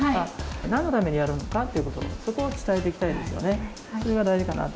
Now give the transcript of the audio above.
なんのためにやるのかというところを、そこを伝えていきたいですよね。